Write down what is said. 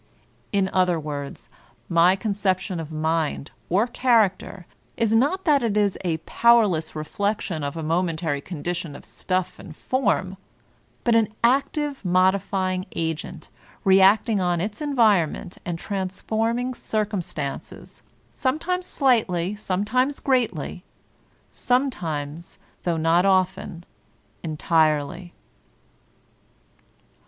In other words, my conception of mind, or character, is not that it is a pow erless reflection of a momentary condition of stuff and form, but an active modifying agent, reacting on its en vironment and transforming circumstances, sometimes greatly, sometimes, though not often, entirely.